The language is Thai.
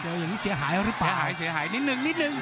เจออย่างนี้เสียหายแล้วหรือเปล่าเสียหายนิดนึง